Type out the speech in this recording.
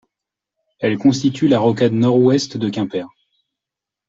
Elle constitue la rocade nord-ouest de Quimper.